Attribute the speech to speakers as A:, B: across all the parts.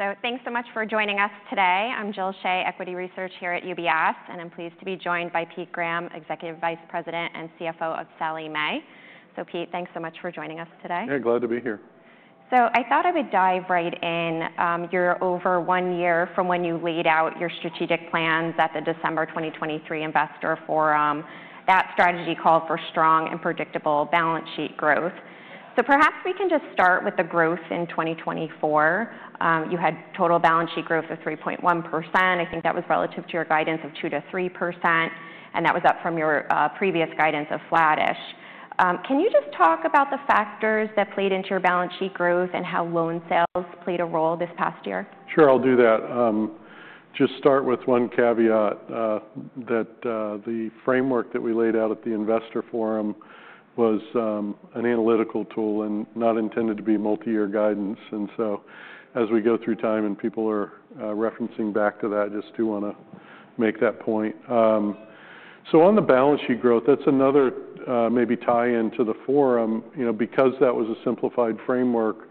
A: So thanks so much for joining us today. I'm Jill Shea, Equity Research here at UBS, and I'm pleased to be joined by Peter Graham, Executive Vice President and CFO of Sallie Mae. So Peter, thanks so much for joining us today.
B: Yeah, glad to be here.
A: So I thought I would dive right in. You're over one year from when you laid out your strategic plans at the December 2023 Investor Forum. That strategy called for strong and predictable balance sheet growth. So perhaps we can just start with the growth in 2024. You had total balance sheet growth of 3.1%. I think that was relative to your guidance of 2%-3%, and that was up from your previous guidance of flattish. Can you just talk about the factors that played into your balance sheet growth and how loan sales played a role this past year?
B: Sure, I'll do that. Just start with one caveat that the framework that we laid out at the Investor Forum was an analytical tool and not intended to be multi-year guidance. And so as we go through time and people are referencing back to that, just do want to make that point. So on the balance sheet growth, that's another maybe tie-in to the forum. Because that was a simplified framework,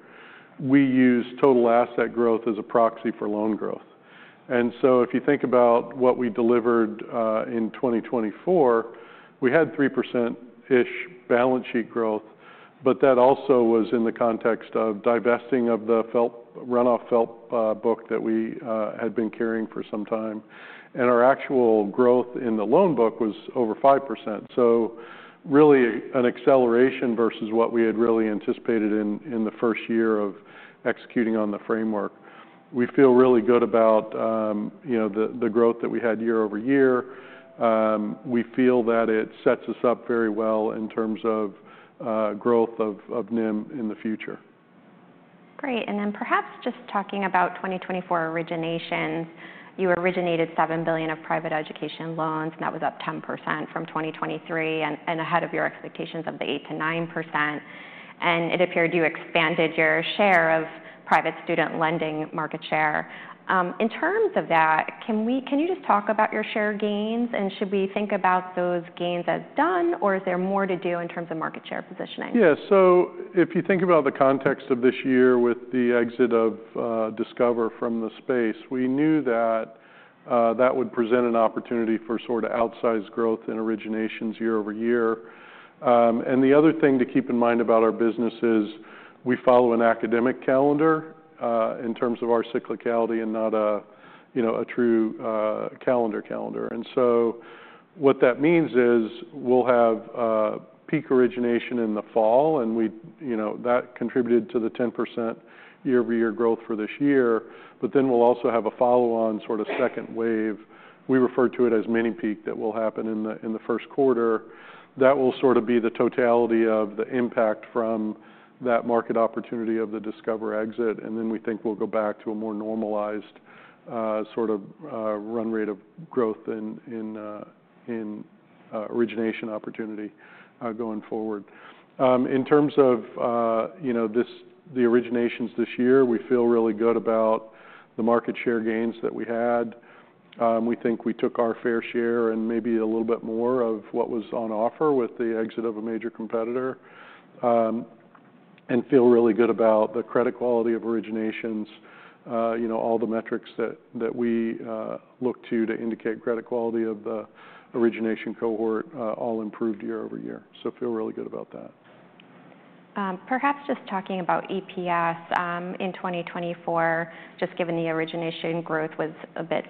B: we used total asset growth as a proxy for loan growth. And so if you think about what we delivered in 2024, we had 3%-ish balance sheet growth, but that also was in the context of divesting of the runoff FFELP book that we had been carrying for some time. And our actual growth in the loan book was over 5%. So really an acceleration versus what we had really anticipated in the first year of executing on the framework. We feel really good about the growth that we had year over year. We feel that it sets us up very well in terms of growth of NIM in the future.
A: Great. And then perhaps just talking about 2024 originations, you originated $7 billion of private education loans, and that was up 10% from 2023 and ahead of your expectations of 8%-9%. And it appeared you expanded your share of private student lending market share. In terms of that, can you just talk about your share gains? And should we think about those gains as done, or is there more to do in terms of market share positioning?
B: Yeah, so if you think about the context of this year with the exit of Discover from the space, we knew that that would present an opportunity for sort of outsized growth in originations year over year, and the other thing to keep in mind about our business is we follow an academic calendar in terms of our cyclicality and not a true calendar calendar, and so what that means is we'll have peak origination in the fall, and that contributed to the 10% year over year growth for this year, but then we'll also have a follow-on sort of second wave. We refer to it as mini peak that will happen in the first quarter. That will sort of be the totality of the impact from that market opportunity of the Discover exit. And then we think we'll go back to a more normalized sort of run rate of growth in origination opportunity going forward. In terms of the originations this year, we feel really good about the market share gains that we had. We think we took our fair share and maybe a little bit more of what was on offer with the exit of a major competitor and feel really good about the credit quality of originations. All the metrics that we look to to indicate credit quality of the origination cohort all improved year over year. So feel really good about that.
A: Perhaps just talking about EPS in 2024, just given the origination growth was a bit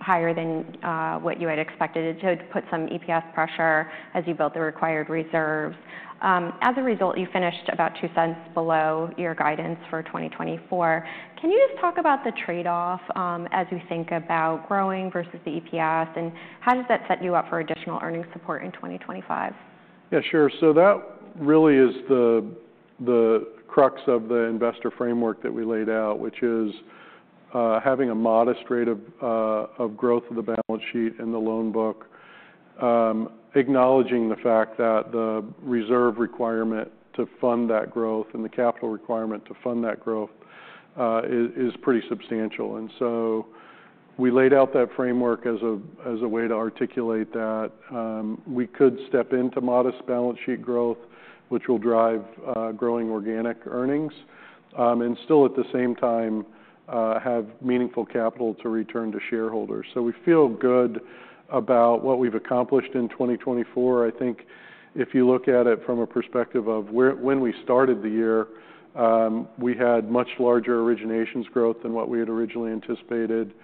A: higher than what you had expected, it did put some EPS pressure as you built the required reserves. As a result, you finished about $0.02 below your guidance for 2024. Can you just talk about the trade-off as you think about growing versus the EPS, and how does that set you up for additional earnings support in 2025?
B: Yeah, sure. So that really is the crux of the investor framework that we laid out, which is having a modest rate of growth of the balance sheet and the loan book, acknowledging the fact that the reserve requirement to fund that growth and the capital requirement to fund that growth is pretty substantial. And so we laid out that framework as a way to articulate that we could step into modest balance sheet growth, which will drive growing organic earnings and still at the same time have meaningful capital to return to shareholders. So we feel good about what we've accomplished in 2024. I think if you look at it from a perspective of when we started the year, we had much larger originations growth than what we had originally anticipated.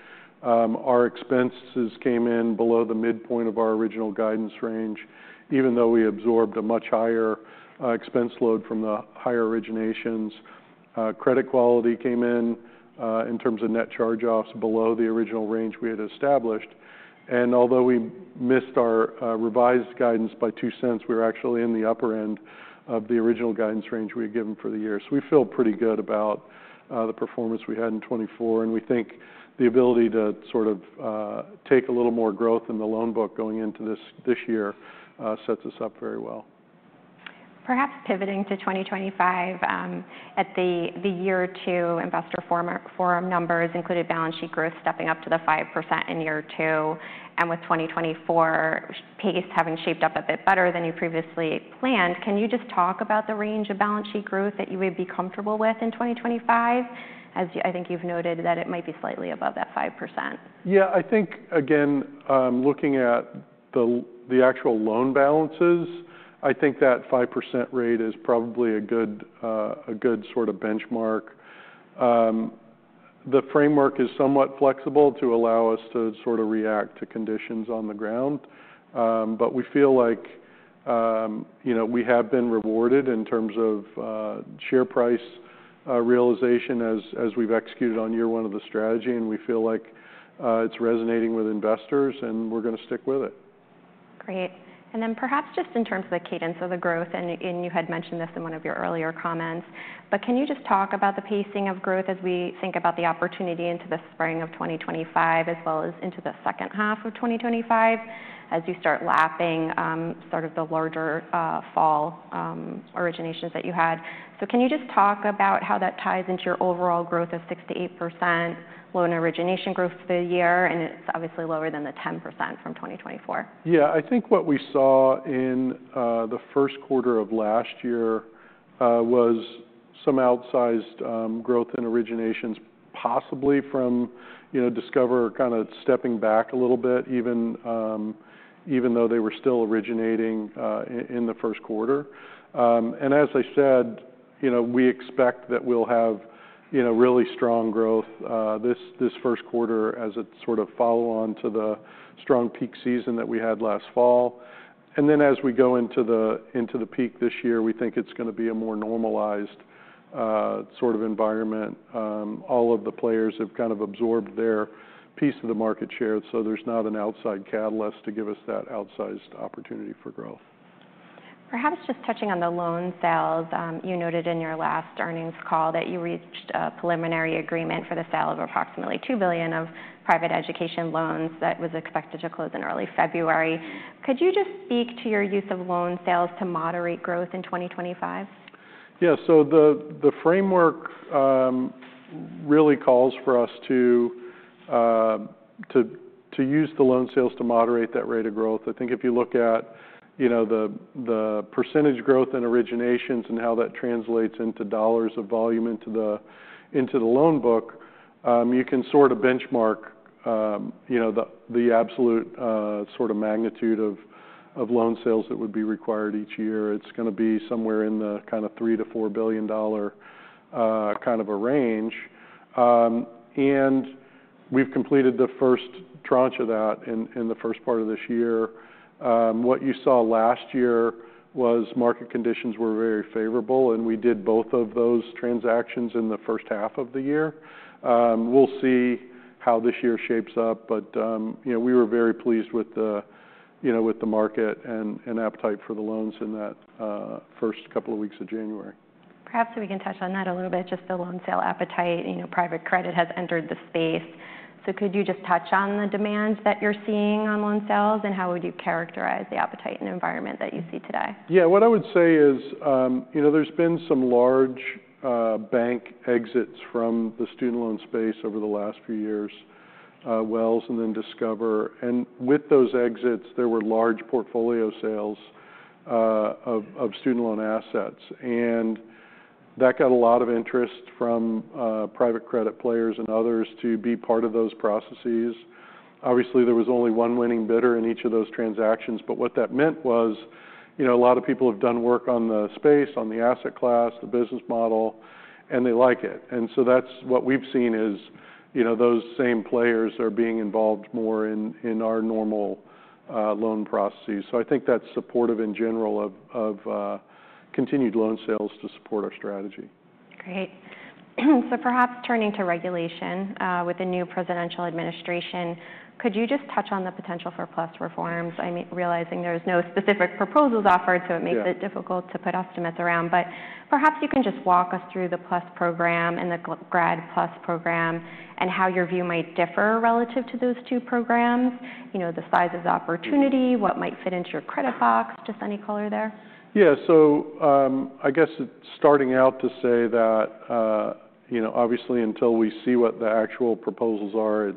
B: Our expenses came in below the midpoint of our original guidance range, even though we absorbed a much higher expense load from the higher originations. Credit quality came in terms of net charge-offs below the original range we had established. And although we missed our revised guidance by $0.02, we were actually in the upper end of the original guidance range we had given for the year. So we feel pretty good about the performance we had in 2024. And we think the ability to sort of take a little more growth in the loan book going into this year sets us up very well.
A: Perhaps pivoting to 2025, at the year two Investor Forum, numbers included balance sheet growth stepping up to the 5% in year two, and with 2024 pace having shaped up a bit better than you previously planned, can you just talk about the range of balance sheet growth that you would be comfortable with in 2025? I think you've noted that it might be slightly above that 5%.
B: Yeah, I think, again, looking at the actual loan balances, I think that 5% rate is probably a good sort of benchmark. The framework is somewhat flexible to allow us to sort of react to conditions on the ground. But we feel like we have been rewarded in terms of share price realization as we've executed on year one of the strategy. And we feel like it's resonating with investors, and we're going to stick with it.
A: Great. And then perhaps just in terms of the cadence of the growth, and you had mentioned this in one of your earlier comments, but can you just talk about the pacing of growth as we think about the opportunity into the spring of 2025 as well as into the second half of 2025 as you start lapping sort of the larger fall originations that you had? So can you just talk about how that ties into your overall growth of 6%-8% loan origination growth for the year? And it's obviously lower than the 10% from 2024.
B: Yeah, I think what we saw in the first quarter of last year was some outsized growth in originations, possibly from Discover kind of stepping back a little bit, even though they were still originating in the first quarter, and as I said, we expect that we'll have really strong growth this first quarter as a sort of follow-on to the strong peak season that we had last fall, and then as we go into the peak this year, we think it's going to be a more normalized sort of environment. All of the players have kind of absorbed their piece of the market share, so there's not an outside catalyst to give us that outsized opportunity for growth.
A: Perhaps just touching on the loan sales, you noted in your last earnings call that you reached a preliminary agreement for the sale of approximately $2 billion of private education loans that was expected to close in early February. Could you just speak to your use of loan sales to moderate growth in 2025?
B: Yeah, so the framework really calls for us to use the loan sales to moderate that rate of growth. I think if you look at the percentage growth in originations and how that translates into dollars of volume into the loan book, you can sort of benchmark the absolute sort of magnitude of loan sales that would be required each year. It's going to be somewhere in the kind of $3-$4 billion kind of a range. And we've completed the first tranche of that in the first part of this year. What you saw last year was market conditions were very favorable, and we did both of those transactions in the first half of the year. We'll see how this year shapes up, but we were very pleased with the market and appetite for the loans in that first couple of weeks of January.
A: Perhaps we can touch on that a little bit, just the loan sale appetite. Private credit has entered the space, so could you just touch on the demands that you're seeing on loan sales, and how would you characterize the appetite and environment that you see today?
B: Yeah, what I would say is there's been some large bank exits from the student loan space over the last few years, Wells and then Discover. And with those exits, there were large portfolio sales of student loan assets. And that got a lot of interest from private credit players and others to be part of those processes. Obviously, there was only one winning bidder in each of those transactions, but what that meant was a lot of people have done work on the space, on the asset class, the business model, and they like it. And so that's what we've seen is those same players are being involved more in our normal loan processes. So I think that's supportive in general of continued loan sales to support our strategy.
A: Great. So perhaps turning to regulation with a new presidential administration, could you just touch on the potential for PLUS reforms? I'm realizing there's no specific proposals offered, so it makes it difficult to put estimates around. But perhaps you can just walk us through the PLUS program and the Grad PLUS program and how your view might differ relative to those two programs, the size of the opportunity, what might fit into your credit box, just any color there.
B: Yeah, so I guess starting out to say that obviously until we see what the actual proposals are,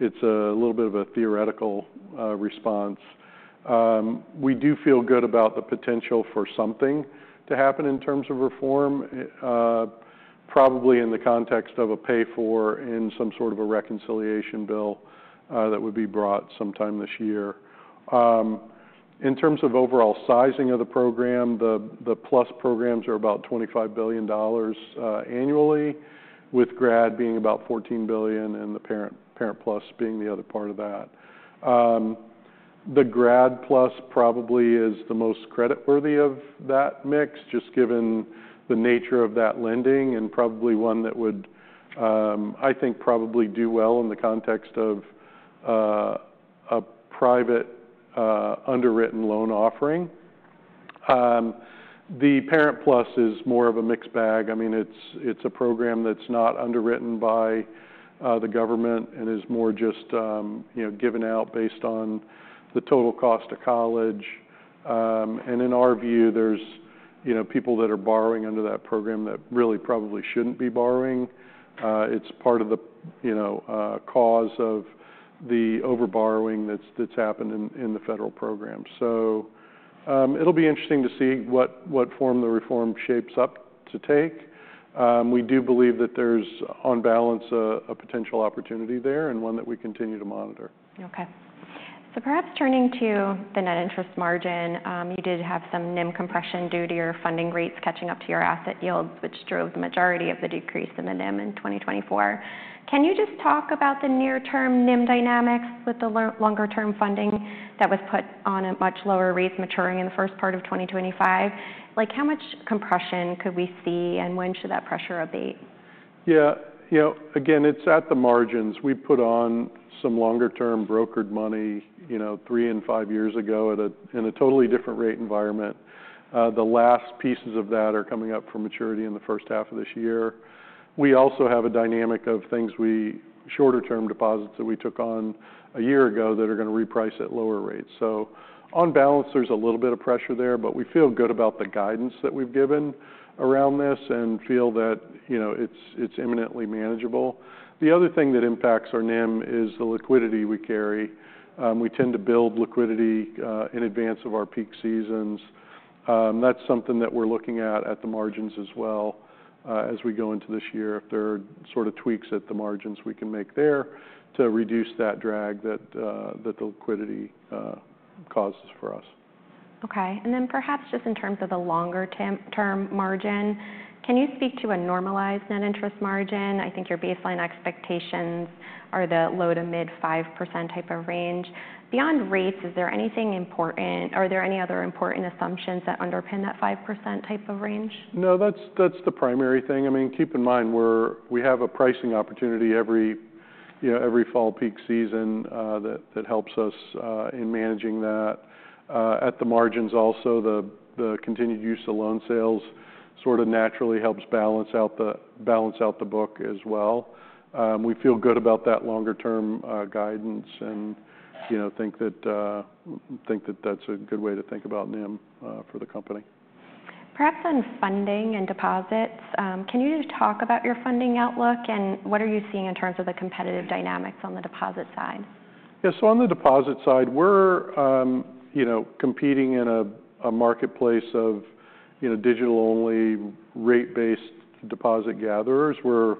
B: it's a little bit of a theoretical response. We do feel good about the potential for something to happen in terms of reform, probably in the context of a pay for in some sort of a reconciliation bill that would be brought sometime this year. In terms of overall sizing of the program, the PLUS programs are about $25 billion annually, with Grad being about $14 billion and the Parent PLUS being the other part of that. The Grad PLUS probably is the most creditworthy of that mix, just given the nature of that lending and probably one that would, I think, probably do well in the context of a private underwritten loan offering. The Parent PLUS is more of a mixed bag. I mean, it's a program that's not underwritten by the government and is more just given out based on the total cost of college. And in our view, there's people that are borrowing under that program that really probably shouldn't be borrowing. It's part of the cause of the overborrowing that's happened in the federal program. So it'll be interesting to see what form the reform shapes up to take. We do believe that there's, on balance, a potential opportunity there and one that we continue to monitor.
A: Okay. So perhaps turning to the net interest margin, you did have some NIM compression due to your funding rates catching up to your asset yields, which drove the majority of the decrease in the NIM in 2024. Can you just talk about the near-term NIM dynamics with the longer-term funding that was put on a much lower rate maturing in the first part of 2025? Like how much compression could we see and when should that pressure abate?
B: Yeah, again, it's at the margins. We put on some longer-term brokered money three and five years ago in a totally different rate environment. The last pieces of that are coming up for maturity in the first half of this year. We also have a dynamic of things, shorter-term deposits that we took on a year ago that are going to reprice at lower rates. So on balance, there's a little bit of pressure there, but we feel good about the guidance that we've given around this and feel that it's eminently manageable. The other thing that impacts our NIM is the liquidity we carry. We tend to build liquidity in advance of our peak seasons. That's something that we're looking at at the margins as well as we go into this year. If there are sort of tweaks at the margins, we can make there to reduce that drag that the liquidity causes for us.
A: Okay. And then perhaps just in terms of the longer-term margin, can you speak to a normalized net interest margin? I think your baseline expectations are the low-to-mid 5% type of range. Beyond rates, is there anything important? Are there any other important assumptions that underpin that 5% type of range?
B: No, that's the primary thing. I mean, keep in mind we have a pricing opportunity every fall peak season that helps us in managing that. At the margins also, the continued use of loan sales sort of naturally helps balance out the book as well. We feel good about that longer-term guidance and think that that's a good way to think about NIM for the company.
A: Perhaps on funding and deposits, can you just talk about your funding outlook and what are you seeing in terms of the competitive dynamics on the deposit side?
B: Yeah, so on the deposit side, we're competing in a marketplace of digital-only rate-based deposit gatherers. We're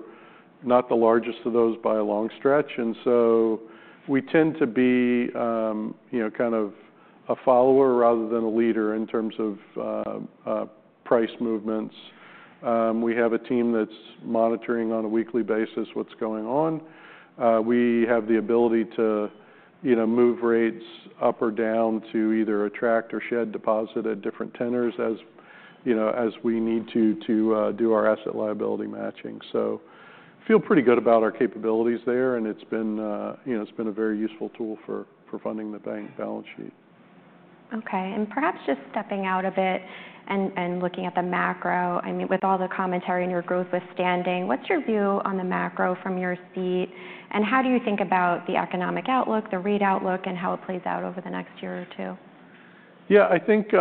B: not the largest of those by a long stretch, and so we tend to be kind of a follower rather than a leader in terms of price movements. We have a team that's monitoring on a weekly basis what's going on. We have the ability to move rates up or down to either attract or shed deposit at different tenors as we need to do our asset liability matching, so I feel pretty good about our capabilities there, and it's been a very useful tool for funding the bank balance sheet.
A: Okay. And perhaps just stepping out a bit and looking at the macro, I mean, with all the commentary and your growth notwithstanding, what's your view on the macro from your seat? And how do you think about the economic outlook, the rate outlook, and how it plays out over the next year or two?
B: Yeah, I think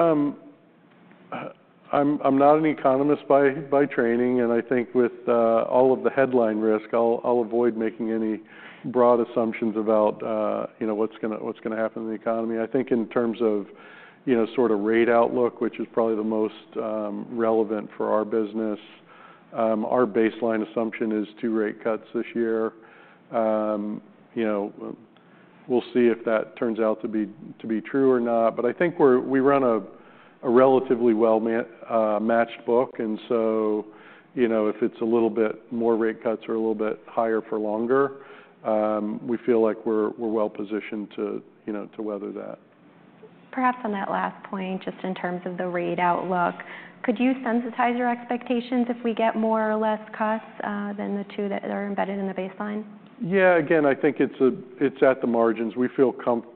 B: I'm not an economist by training, and I think with all of the headline risk, I'll avoid making any broad assumptions about what's going to happen in the economy. I think in terms of sort of rate outlook, which is probably the most relevant for our business, our baseline assumption is two rate cuts this year. We'll see if that turns out to be true or not. But I think we run a relatively well-matched book. And so if it's a little bit more rate cuts or a little bit higher for longer, we feel like we're well-positioned to weather that.
A: Perhaps on that last point, just in terms of the rate outlook, could you sensitize your expectations if we get more or less cuts than the two that are embedded in the baseline?
B: Yeah, again, I think it's at the margins. We feel comfortable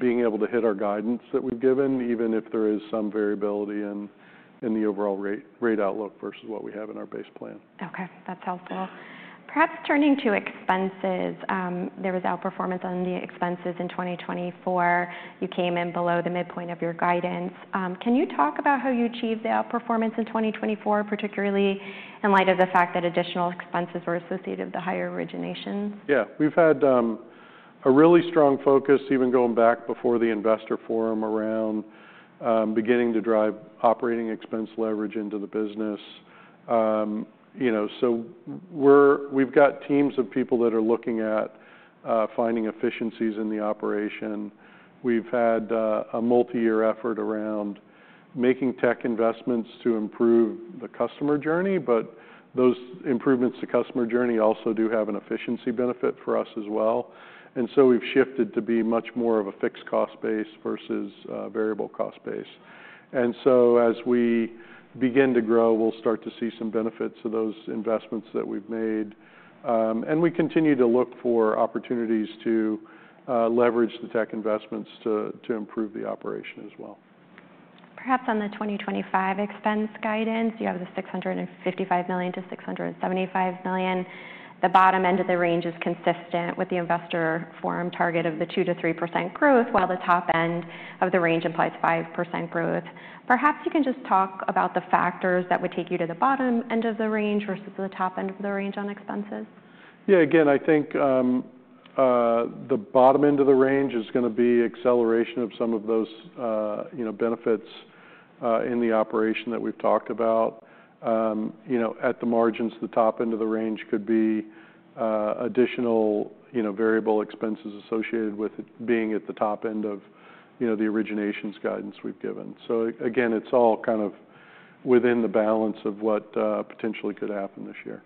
B: being able to hit our guidance that we've given, even if there is some variability in the overall rate outlook versus what we have in our base plan.
A: Okay. That's helpful. Perhaps turning to expenses, there was outperformance on the expenses in 2024. You came in below the midpoint of your guidance. Can you talk about how you achieved the outperformance in 2024, particularly in light of the fact that additional expenses were associated with the higher originations?
B: Yeah, we've had a really strong focus, even going back before the Investor Forum around beginning to drive operating expense leverage into the business. So we've got teams of people that are looking at finding efficiencies in the operation. We've had a multi-year effort around making tech investments to improve the customer journey, but those improvements to customer journey also do have an efficiency benefit for us as well. And so we've shifted to be much more of a fixed cost base versus variable cost base. And so as we begin to grow, we'll start to see some benefits of those investments that we've made. And we continue to look for opportunities to leverage the tech investments to improve the operation as well.
A: Perhaps on the 2025 expense guidance, you have the $655 million-$675 million. The bottom end of the range is consistent with the Investor Forum target of the 2%-3% growth, while the top end of the range implies 5% growth. Perhaps you can just talk about the factors that would take you to the bottom end of the range versus the top end of the range on expenses.
B: Yeah, again, I think the bottom end of the range is going to be acceleration of some of those benefits in the operation that we've talked about. At the margins, the top end of the range could be additional variable expenses associated with being at the top end of the originations guidance we've given. So again, it's all kind of within the balance of what potentially could happen this year.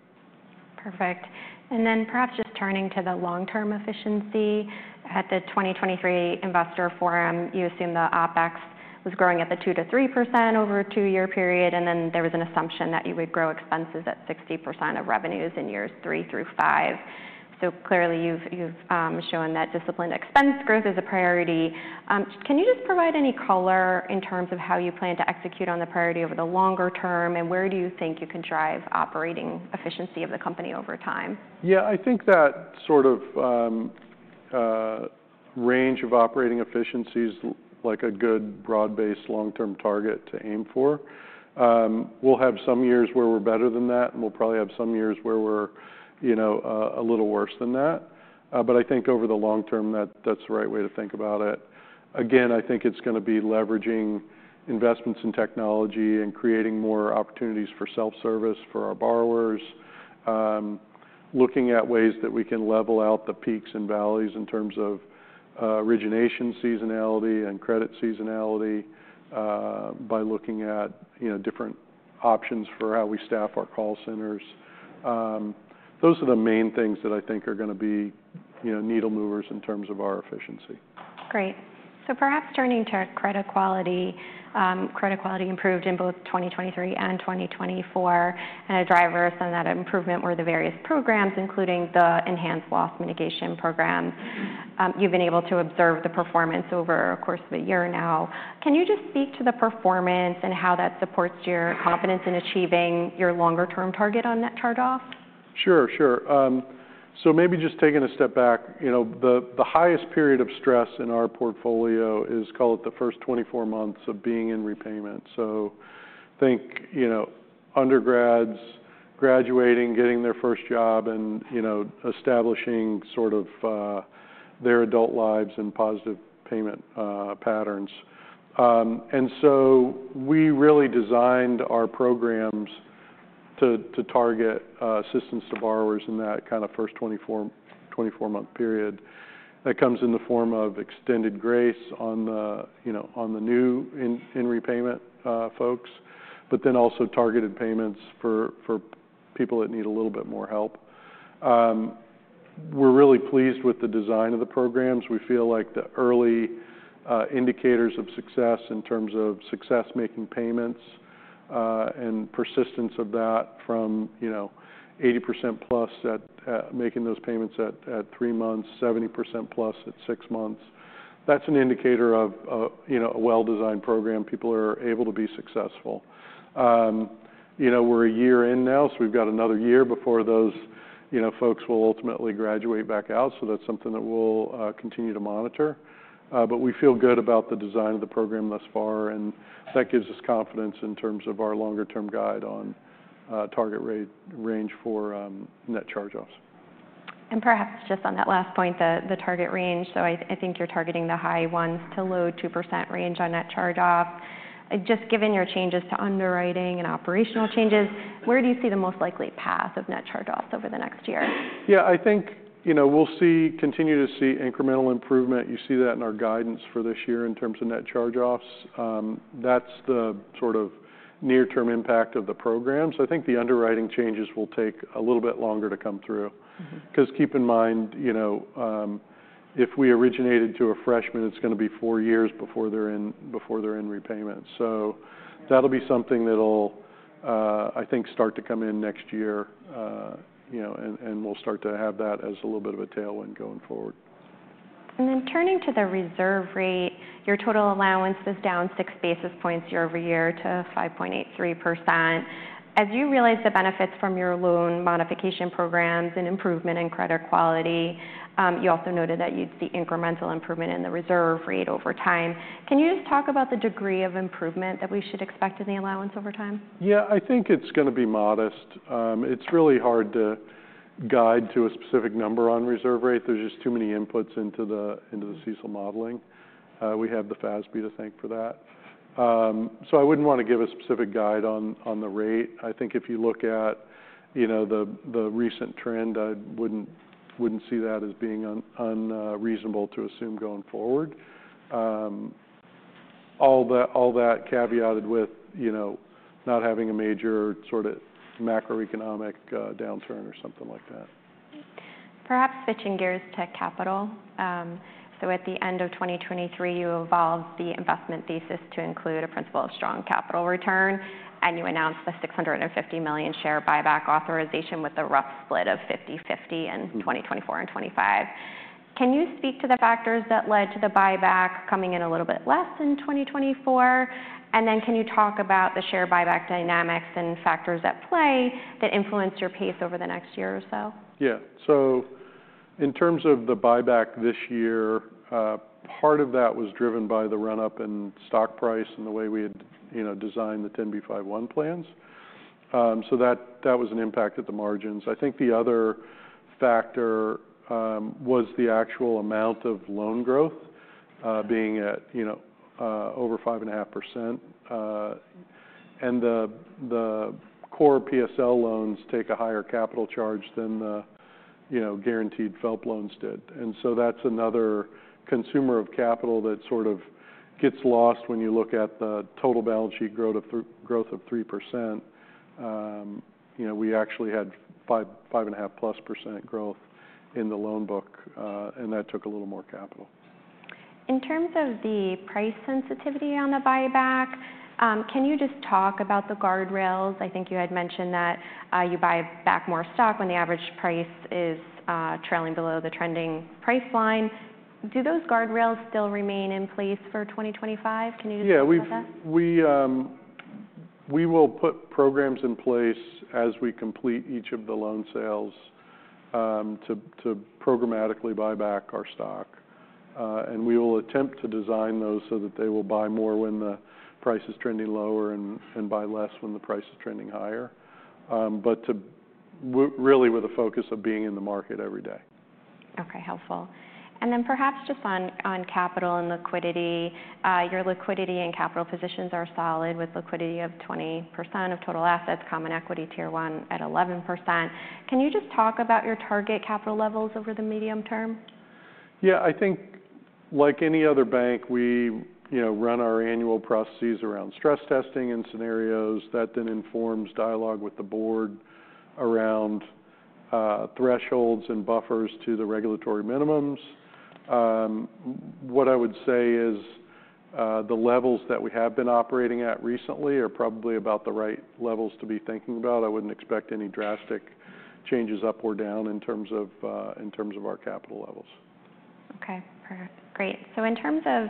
A: Perfect, and then perhaps just turning to the long-term efficiency. At the 2023 Investor Forum, you assumed the OpEx was growing at the 2%-3% over a two-year period, and then there was an assumption that you would grow expenses at 60% of revenues in years three through five, so clearly you've shown that disciplined expense growth is a priority. Can you just provide any color in terms of how you plan to execute on the priority over the longer term, and where do you think you can drive operating efficiency of the company over time?
B: Yeah, I think that sort of range of operating efficiency is like a good broad-based long-term target to aim for. We'll have some years where we're better than that, and we'll probably have some years where we're a little worse than that. But I think over the long term, that's the right way to think about it. Again, I think it's going to be leveraging investments in technology and creating more opportunities for self-service for our borrowers, looking at ways that we can level out the peaks and valleys in terms of origination seasonality and credit seasonality by looking at different options for how we staff our call centers. Those are the main things that I think are going to be needle movers in terms of our efficiency.
A: Great. So perhaps turning to credit quality, credit quality improved in both 2023 and 2024, and a driver of some of that improvement were the various programs, including the enhanced loss mitigation program. You've been able to observe the performance over the course of a year now. Can you just speak to the performance and how that supports your confidence in achieving your longer-term target on that trade-off?
B: Sure, sure. So maybe just taking a step back, the highest period of stress in our portfolio is called the first 24 months of being in repayment. So I think undergrads, graduating, getting their first job, and establishing sort of their adult lives in positive payment patterns. And so we really designed our programs to target assistance to borrowers in that kind of first 24-month period. That comes in the form of extended grace on the new in repayment folks, but then also targeted payments for people that need a little bit more help. We're really pleased with the design of the programs. We feel like the early indicators of success in terms of success making payments and persistence of that from 80% plus at making those payments at three months, 70% plus at six months, that's an indicator of a well-designed program. People are able to be successful. We're a year in now, so we've got another year before those folks will ultimately graduate back out. So that's something that we'll continue to monitor. But we feel good about the design of the program thus far, and that gives us confidence in terms of our longer-term guide on target rate range for net charge-offs.
A: And perhaps just on that last point, the target range, so I think you're targeting the high 1% to low 2% range on net charge-off. Just given your changes to underwriting and operational changes, where do you see the most likely path of net charge-offs over the next year?
B: Yeah, I think we'll continue to see incremental improvement. You see that in our guidance for this year in terms of net charge-offs. That's the sort of near-term impact of the program. So I think the underwriting changes will take a little bit longer to come through. Because keep in mind, if we originated to a freshman, it's going to be four years before they're in repayment. So that'll be something that'll, I think, start to come in next year, and we'll start to have that as a little bit of a tailwind going forward.
A: Turning to the reserve rate, your total allowance is down six basis points year over year to 5.83%. As you realize the benefits from your loan modification programs and improvement in credit quality, you also noted that you'd see incremental improvement in the reserve rate over time. Can you just talk about the degree of improvement that we should expect in the allowance over time?
B: Yeah, I think it's going to be modest. It's really hard to guide to a specific number on reserve rate. There's just too many inputs into the CECL modeling. We have the FASB to thank for that. So I wouldn't want to give a specific guide on the rate. I think if you look at the recent trend, I wouldn't see that as being unreasonable to assume going forward. All that caveated with not having a major sort of macroeconomic downturn or something like that.
A: Perhaps switching gears to capital. So at the end of 2023, you evolved the investment thesis to include a principle of strong capital return, and you announced the $650 million share buyback authorization with a rough split of 50/50 in 2024 and 2025. Can you speak to the factors that led to the buyback coming in a little bit less in 2024? And then can you talk about the share buyback dynamics and factors at play that influenced your pace over the next year or so?
B: Yeah. So in terms of the buyback this year, part of that was driven by the run-up in stock price and the way we had designed the 10b5-1 plans. So that was an impact at the margins. I think the other factor was the actual amount of loan growth being at over 5.5%. And the core PSL loans take a higher capital charge than the guaranteed FFELP loans did. And so that's another consumer of capital that sort of gets lost when you look at the total balance sheet growth of 3%. We actually had 5.5% plus growth in the loan book, and that took a little more capital.
A: In terms of the price sensitivity on the buyback, can you just talk about the guardrails? I think you had mentioned that you buy back more stock when the average price is trailing below the trending price line. Do those guardrails still remain in place for 2025? Can you talk about that?
B: Yeah, we will put programs in place as we complete each of the loan sales to programmatically buy back our stock, and we will attempt to design those so that they will buy more when the price is trending lower and buy less when the price is trending higher, but really with a focus of being in the market every day.
A: Okay, helpful. And then perhaps just on capital and liquidity, your liquidity and capital positions are solid with liquidity of 20% of total assets, Common Equity Tier 1 at 11%. Can you just talk about your target capital levels over the medium term?
B: Yeah, I think like any other bank, we run our annual processes around stress testing and scenarios. That then informs dialogue with the board around thresholds and buffers to the regulatory minimums. What I would say is the levels that we have been operating at recently are probably about the right levels to be thinking about. I wouldn't expect any drastic changes up or down in terms of our capital levels.
A: Okay, perfect. Great. So in terms of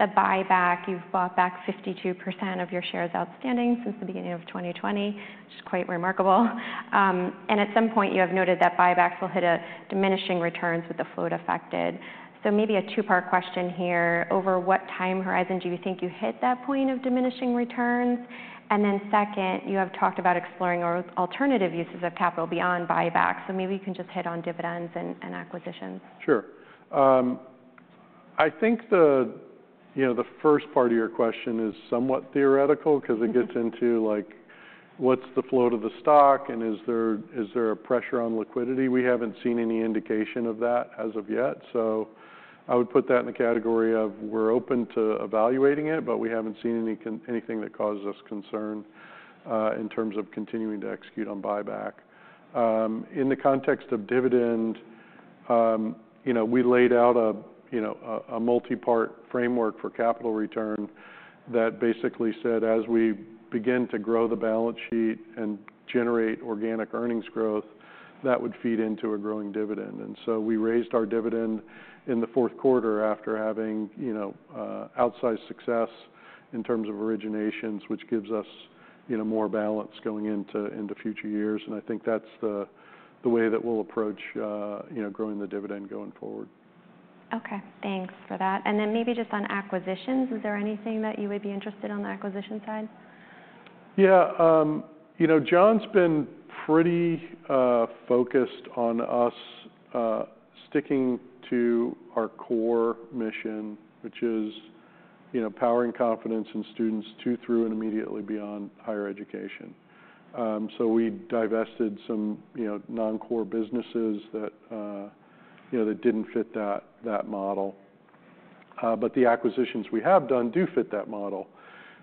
A: the buyback, you've bought back 52% of your shares outstanding since the beginning of 2020, which is quite remarkable. And at some point, you have noted that buybacks will hit diminishing returns with the float affected. So maybe a two-part question here. Over what time horizon do you think you hit that point of diminishing returns? And then second, you have talked about exploring alternative uses of capital beyond buybacks. So maybe you can just hit on dividends and acquisitions.
B: Sure. I think the first part of your question is somewhat theoretical because it gets into what's the float of the stock and is there a pressure on liquidity. We haven't seen any indication of that as of yet. So I would put that in the category of we're open to evaluating it, but we haven't seen anything that causes us concern in terms of continuing to execute on buyback. In the context of dividend, we laid out a multi-part framework for capital return that basically said as we begin to grow the balance sheet and generate organic earnings growth, that would feed into a growing dividend. And so we raised our dividend in the fourth quarter after having outsized success in terms of originations, which gives us more balance going into future years. And I think that's the way that we'll approach growing the dividend going forward.
A: Okay, thanks for that, and then maybe just on acquisitions, is there anything that you would be interested on the acquisition side?
B: Yeah, John's been pretty focused on us sticking to our core mission, which is power and confidence in students to, through, and immediately beyond higher education. So we divested some non-core businesses that didn't fit that model. But the acquisitions we have done do fit that model.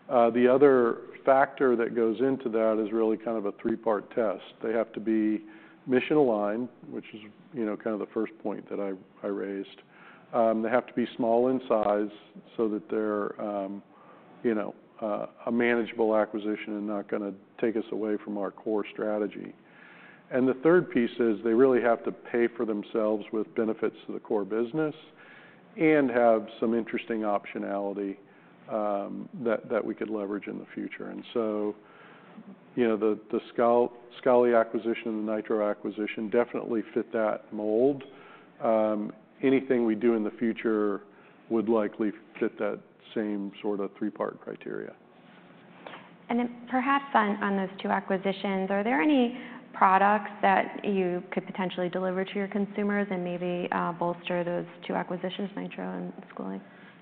B: The other factor that goes into that is really kind of a three-part test. They have to be mission aligned, which is kind of the first point that I raised. They have to be small in size so that they're a manageable acquisition and not going to take us away from our core strategy. And the third piece is they really have to pay for themselves with benefits to the core business and have some interesting optionality that we could leverage in the future. And so the Scholly acquisition and the Nitro acquisition definitely fit that mold. Anything we do in the future would likely fit that same sort of three-part criteria.
A: And then perhaps on those two acquisitions, are there any products that you could potentially deliver to your consumers and maybe bolster those two acquisitions, Nitro and Scholly?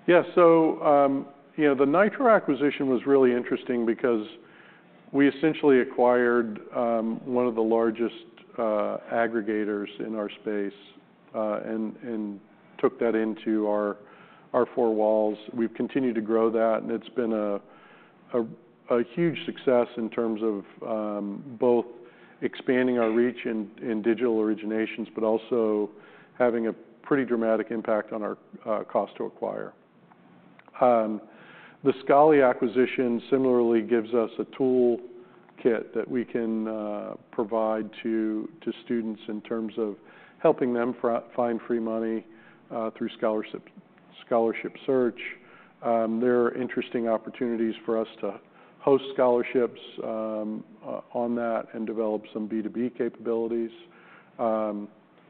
B: Yeah, so the Nitro acquisition was really interesting because we essentially acquired one of the largest aggregators in our space and took that into our four walls. We've continued to grow that, and it's been a huge success in terms of both expanding our reach in digital originations, but also having a pretty dramatic impact on our cost to acquire. The Scholly acquisition similarly gives us a toolkit that we can provide to students in terms of helping them find free money through scholarship search. There are interesting opportunities for us to host scholarships on that and develop some B2B capabilities.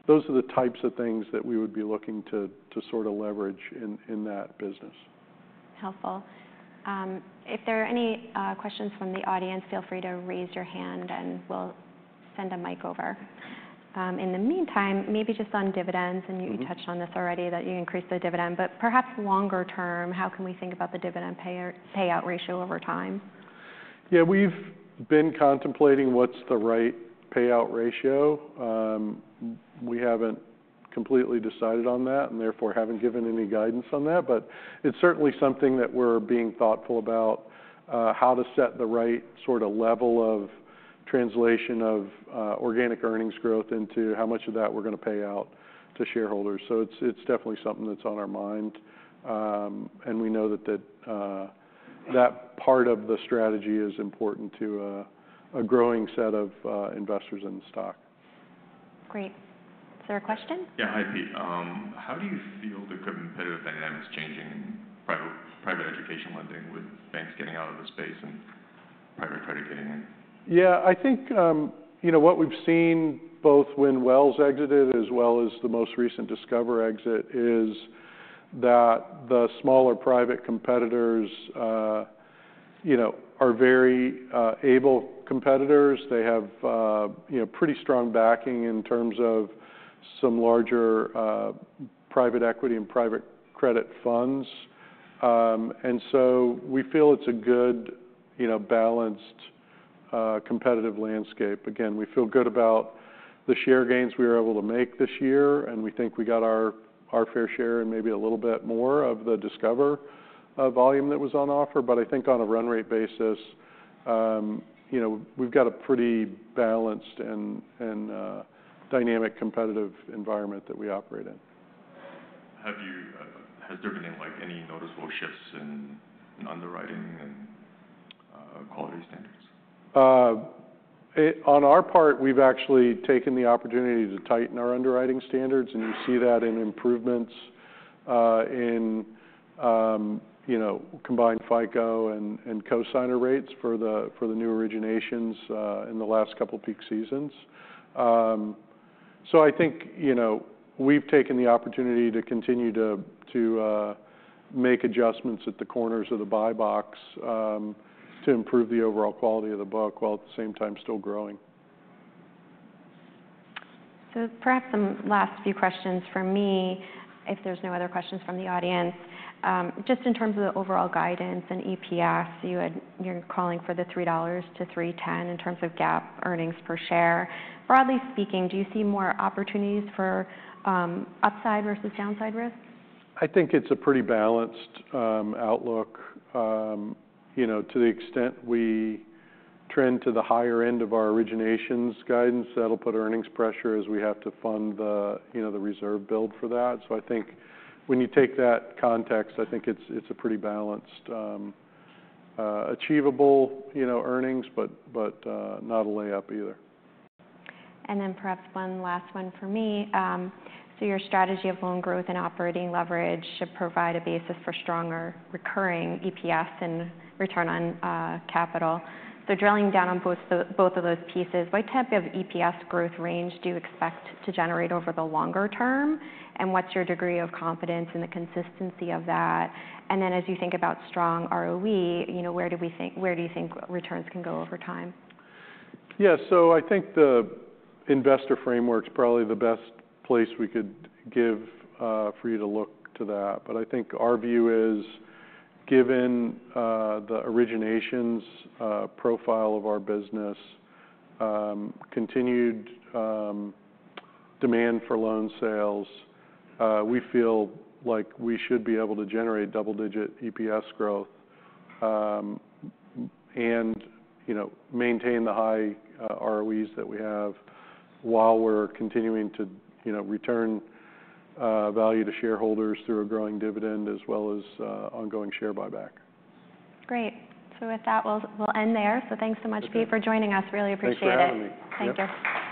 B: Those are the types of things that we would be looking to sort of leverage in that business.
A: Helpful. If there are any questions from the audience, feel free to raise your hand, and we'll send a mic over. In the meantime, maybe just on dividends, and you touched on this already that you increased the dividend, but perhaps longer term, how can we think about the dividend payout ratio over time?
B: Yeah, we've been contemplating what's the right payout ratio. We haven't completely decided on that and therefore haven't given any guidance on that. But it's certainly something that we're being thoughtful about, how to set the right sort of level of translation of organic earnings growth into how much of that we're going to pay out to shareholders. So it's definitely something that's on our mind. And we know that that part of the strategy is important to a growing set of investors in the stock.
A: Great. Is there a question? Yeah, hi, Peter. How do you feel the competitive dynamics changing in private education lending with banks getting out of the space and private credit getting in?
B: Yeah, I think what we've seen both when Wells exited as well as the most recent Discover exit is that the smaller private competitors are very able competitors. They have pretty strong backing in terms of some larger private equity and private credit funds, and so we feel it's a good balanced competitive landscape. Again, we feel good about the share gains we were able to make this year, and we think we got our fair share and maybe a little bit more of the Discover volume that was on offer, but I think on a run rate basis, we've got a pretty balanced and dynamic competitive environment that we operate in. Has there been any noticeable shifts in underwriting and quality standards? On our part, we've actually taken the opportunity to tighten our underwriting standards, and you see that in improvements in combined FICO and co-signer rates for the new originations in the last couple of peak seasons. So I think we've taken the opportunity to continue to make adjustments at the corners of the buy box to improve the overall quality of the book while at the same time still growing.
A: So perhaps some last few questions for me, if there's no other questions from the audience. Just in terms of the overall guidance and EPS, you're calling for the $3-$3.10 in terms of GAAP earnings per share. Broadly speaking, do you see more opportunities for upside versus downside risk?
B: I think it's a pretty balanced outlook. To the extent we trend to the higher end of our originations guidance, that'll put earnings pressure as we have to fund the reserve build for that. So I think when you take that context, I think it's a pretty balanced achievable earnings, but not a layup either.
A: And then perhaps one last one for me. So your strategy of loan growth and operating leverage should provide a basis for stronger recurring EPS and return on capital. So drilling down on both of those pieces, what type of EPS growth range do you expect to generate over the longer term? And what's your degree of confidence in the consistency of that? And then as you think about strong ROE, where do you think returns can go over time?
B: Yeah, so I think the investor framework is probably the best place we could give for you to look to that. But I think our view is, given the originations profile of our business, continued demand for loan sales, we feel like we should be able to generate double-digit EPS growth and maintain the high ROEs that we have while we're continuing to return value to shareholders through a growing dividend as well as ongoing share buyback.
A: Great. So with that, we'll end there. So thanks so much, Peter, for joining us. Really appreciate it.
B: Thanks for having me.
A: Thank you.